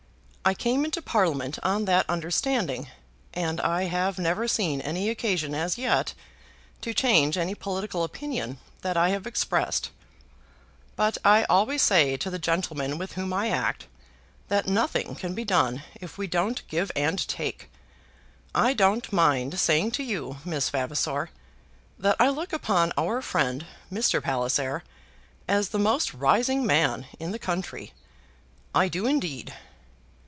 I came into Parliament on that understanding; and I have never seen any occasion as yet to change any political opinion that I have expressed. But I always say to the gentlemen with whom I act, that nothing can be done if we don't give and take. I don't mind saying to you, Miss Vavasor, that I look upon our friend, Mr. Palliser, as the most rising public man in the country. I do, indeed."